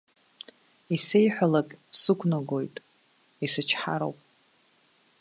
Исеиҳәалак сықәнагоит, исычҳароуп.